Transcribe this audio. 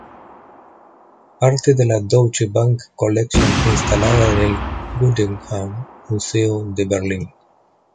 Parte de la Deutsche Bank Collection instalada en el Guggenheim Museum de Berlín.